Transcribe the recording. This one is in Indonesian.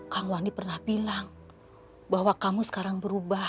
kang wandi pernah bilang bahwa kamu sekarang berubah